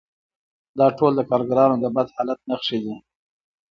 دا ټول د کارګرانو د بد حالت نښې دي